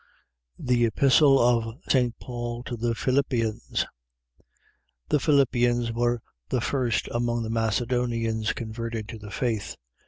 THE EPISTLE OF ST. PAUL TO THE PHILIPPIANS The Philippians were the first among the Macedonians converted to the faith.